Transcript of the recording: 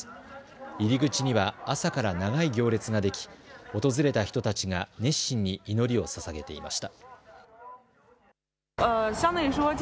入り口には朝から長い行列ができ訪れた人たちが熱心に祈りをささげていました。